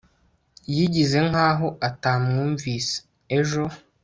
yigize nkaho atamwumvise ejo